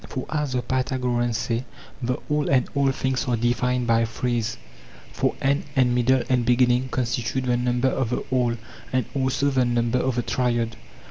Foras the Pythagoreans say, the all and all things are defined by threes; for end and middle and beginning constitute the number of the all, and also the number of the triad.